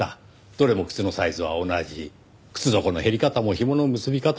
どれも靴のサイズは同じ靴底の減り方も紐の結び方も同じ。